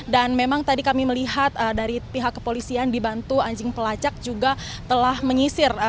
dan memang tadi kami melihat dari pihak kepolisian dibantu anjing pelacak juga telah menyisir